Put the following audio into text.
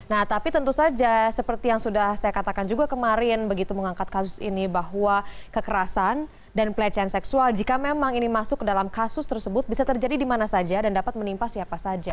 nah tapi tentu saja seperti yang sudah saya katakan juga kemarin begitu mengangkat kasus ini bahwa kekerasan dan pelecehan seksual jika memang ini masuk ke dalam kasus tersebut bisa terjadi di mana saja dan dapat menimpa siapa saja